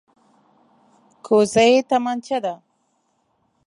کوزه یې تمانچه ده.